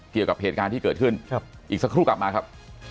เกี่ยวกับเหตุการณ์ที่เกิดขึ้นอีกสักครู่กลับมาครับ